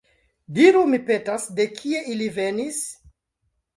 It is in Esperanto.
Diru, mi petas, de kie ili venis?